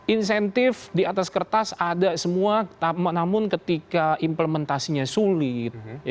insentif di atas kertas ada semua namun ketika implementasinya sulit